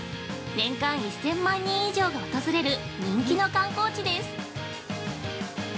年間１０００万人以上が訪れる人気の観光地です。